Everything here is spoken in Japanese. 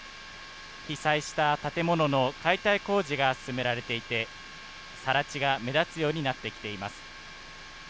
被災した建物の解体工事が進められていて、さら地が目立つようになってきています。